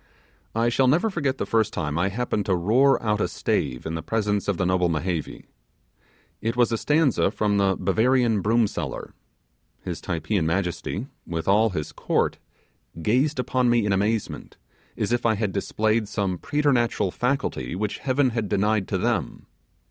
I shall never forget the first time I happened to roar out a stave in the presence of noble Mehevi. It was a stanza from the 'Bavarian broom seller'. His Typeean majesty, with all his court, gazed upon me in amazement, as if I had displayed some preternatural faculty which Heaven had denied to them.